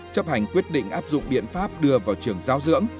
chấp hành quyết định áp dụng biện pháp đưa vào trường giáo dưỡng